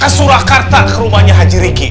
ke surakarta ke rumahnya haji riki